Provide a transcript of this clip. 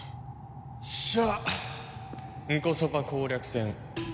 よっしゃンコソパ攻略戦。